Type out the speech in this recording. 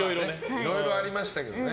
いろいろありましたけどね。